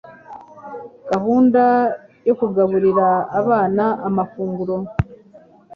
Gahunda yo kugaburira abana amafunguro